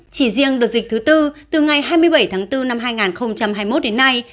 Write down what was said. chỉ riêng đợt dịch thứ tư từ ngày hai mươi bảy tháng bốn năm hai nghìn hai mươi một đến nay